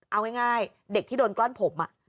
เอาง่ายเด็กที่โดนกล้อนผม